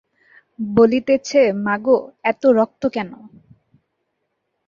বলিতেছে, মাগো, এত রক্ত কেন!